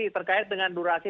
terkait dengan durasi